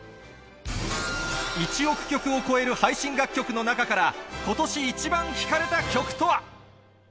１億曲を超える配信楽曲の中から、今年イチバン聴かれた曲とは。